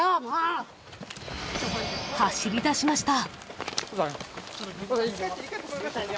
［走りだしました］